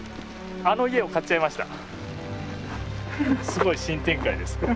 あの家を買っちゃいました。